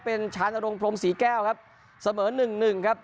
เป็นชานรงพรมศรีแก้วครับเสมอหนึ่งหนึ่งครับ